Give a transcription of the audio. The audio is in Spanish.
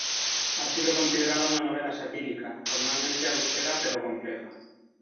Ha sido considerada una novela satírica, formalmente austera pero compleja.